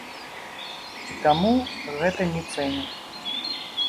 І таму гэта не цэнім.